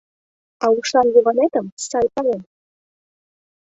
— А ушан Йыванетым сай палем.